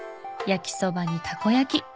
焼きそばにたこ焼き